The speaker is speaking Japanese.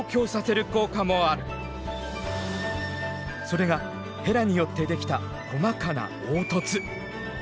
それがヘラによってできた細かな凹凸。